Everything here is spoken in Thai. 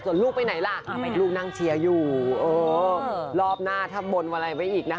ส่วนลูกไปไหนล่ะลูกนั่งเชียร์อยู่เออรอบหน้าถ้าบนอะไรไว้อีกนะคะ